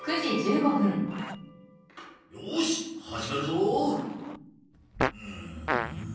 よーし始めるぞ！